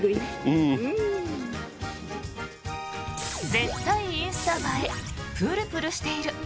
絶対インスタ映えプルプルしている。